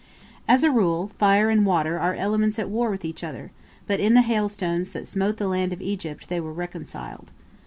As a rule, fire and water are elements at war with each other, but in the hailstones that smote the land of Egypt they were reconciled.